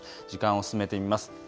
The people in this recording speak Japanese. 時間を進めてみます。